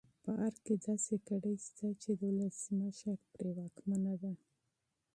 په ارګ کې داسې کړۍ شته چې د ولسمشر پرې واکمنه ده.